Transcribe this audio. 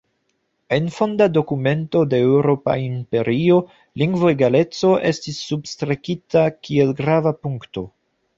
En fonda dokumento de Eŭropa Imperio lingvoegaleco estis substrekita kiel grava punkto.